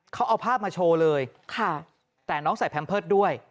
เขาเอาภาพมาโชว์เลยค่ะแต่น้องใส่แพมเพิร์ตด้วย